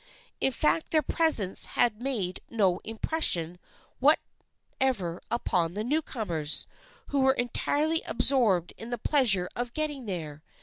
In fact their presence had made no im pression whatever upon the newcomers, who were entirely absorbed in the pleasure of getting there.